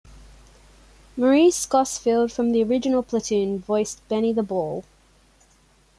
Maurice Gosfield from the original platoon voiced Benny the Ball.